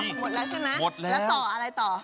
หมดแล้วใช่ไหมหมดแล้วต่ออะไรต่อ